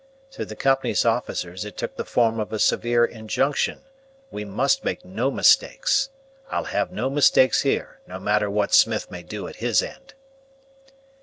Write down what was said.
To the Company's officers it took the form of a severe injunction, "We must make no mistakes. I'll have no mistakes here, no matter what Smith may do at his end."